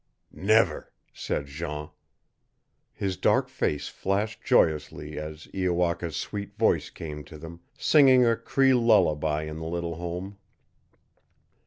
"Never," said Jean. His dark face flashed joyously as Iowaka's sweet voice came to them, singing a Cree lullaby in the little home.